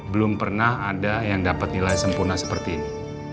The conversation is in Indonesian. belum pernah ada yang dapat nilai sempurna seperti ini